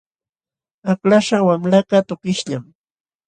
Aklaśhqa wamlakaq tukishllam.